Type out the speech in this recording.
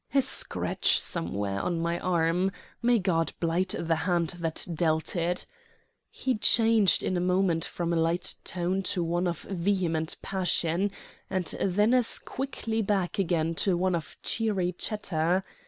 "A scratch somewhere on my arm may God blight the hand that dealt it!" He changed in a moment from a light tone to one of vehement passion, and then as quickly back again to one of cheery chatter.